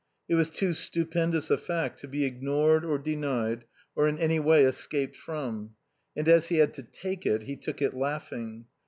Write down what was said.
It was too stupendous a fact to be ignored or denied or in any way escaped from. And as he had to "take" it, he took it laughing.